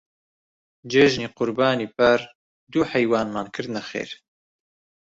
جێژنی قوربانی پار دوو حەیوانمان کردنە خێر.